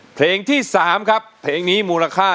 เพลงที่๓ครับเพลงนี้มูลค่า๔๐๐๐๐บาท